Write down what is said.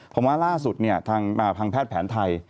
ผมว่าล่าสุดทางแพทย์แผนไทย